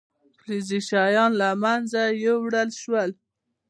فلزي شیان له منځه یوړل شول.